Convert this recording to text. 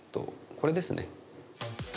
これですね